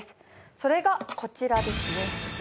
それがこちらですね。